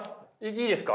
いいですか？